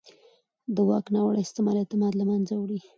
د واک ناوړه استعمال اعتماد له منځه وړي